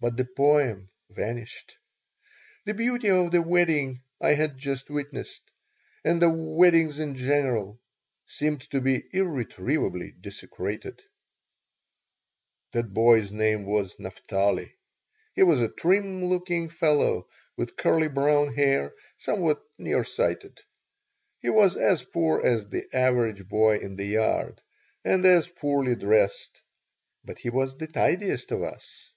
But the poem vanished. The beauty of the wedding I had just witnessed, and of weddings in general, seemed to be irretrievably desecrated That boy's name was Naphtali. He was a trim looking fellow with curly brown hair, somewhat near sighted. He was as poor as the average boy in the yard and as poorly dressed, but he was the tidiest of us.